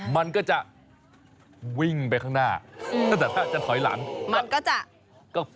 มันก็จะวิ่งไปข้างหน้า